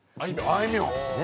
あいみょん！